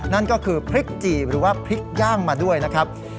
นั่นก็คือพริกจีบหรือว่าพริกย่างมาด้วยนะครับ